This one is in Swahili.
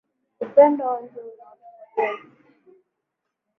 Upendo wao ndio unaotupendeza